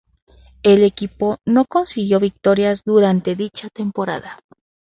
El equipo no consiguió victorias durante dicha temporada.